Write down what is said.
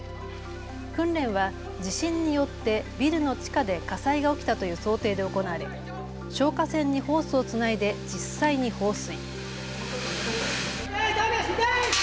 訓練は地震によってビルの地下で火災が起きたという想定で行われ消火栓にホースをつないで実際に放水。